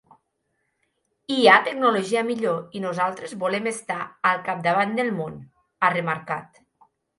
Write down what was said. “Hi ha tecnologia millor i nosaltres volem estar al capdavant del món”, ha remarcat.